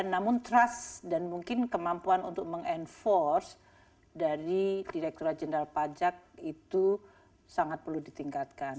namun trust dan mungkin kemampuan untuk meng enforce dari direkturat jenderal pajak itu sangat perlu ditingkatkan